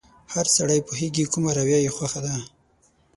هر سړی پوهېږي کومه رويه يې خوښه ده.